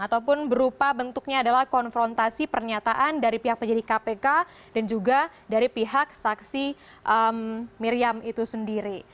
ataupun berupa bentuknya adalah konfrontasi pernyataan dari pihak penyidik kpk dan juga dari pihak saksi miriam itu sendiri